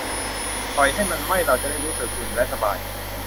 ปล่อยให้มันไหม้ เราจะได้รู้สึกอุ่นและสบาย